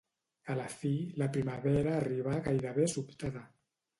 A la fi, la primavera arribà gairebé sobtada.